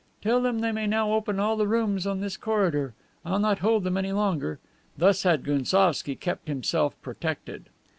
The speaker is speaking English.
"Tell them they may now open all the rooms on this corridor; I'll not hold them any longer." Thus had Gounsovski kept himself protected.